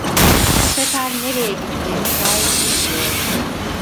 Bu sefer nereye gittiğimi gayet iyi biliyordum.